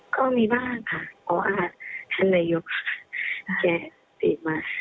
ก็มีบ้างค่ะเพราะอาทรณะยุคแกะติดมา